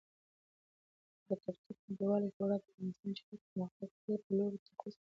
د کرکټ نړیوالې شورا د افغانستان چټک پرمختګ تل په لوړو ټکو ستایلی دی.